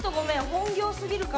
本業すぎるかも。